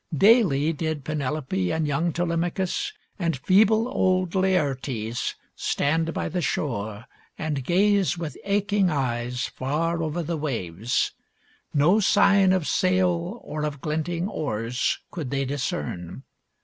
Daily did Penelope and young Telemachus and feeble old Laertes stand by the shore and gaze with aching eyes far over the waves. No sign of sail or of glinting oars could they discern.